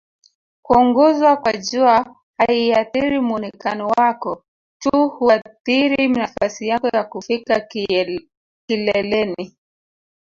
kuunguzwa kwa jua haiathiri muonekano wako tu huathiri nafasai yako ya kufika kileleni